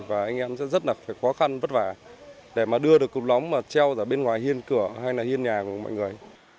và anh em sẽ rất là phải khó khăn vất vả để mà đưa được cục lóng mà treo ở bên ngoài hiên cửa hay là hiên nhà của mọi người